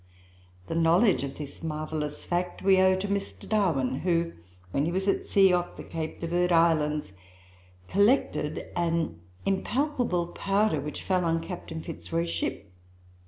The knowledge of this marvellous fact we owe to Mr. Darwin, who, when he was at sea off the Cape de Verd Islands, collected an impalpable powder which fell on Captain Fitzroy's ship.